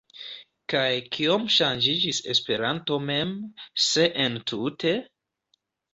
Kaj kiom ŝanĝiĝis Esperanto mem, se entute?